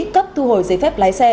cấp thu hồi giấy phép lái xe